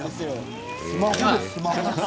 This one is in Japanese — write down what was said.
スマホだよスマホ。